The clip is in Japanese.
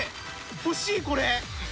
欲しい、これ。